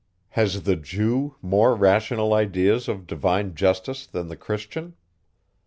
Has the Jew more rational ideas of divine justice than the Christian?